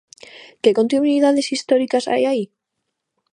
Que continuidades históricas hai aí?